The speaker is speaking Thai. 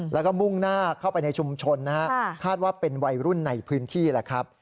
แล้วก็มุ่งหน้าเข้าไปในชุมชนนะฮะคาดว่าเป็นวัยรุ่นในพื้นที่แหละครับ